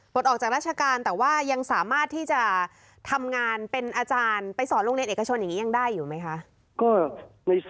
ออกจากราชการแต่ว่ายังสามารถที่จะทำงานเป็นอาจารย์ไปสอนโรงเรียนเอกชนอย่างนี้ยังได้อยู่ไหมคะ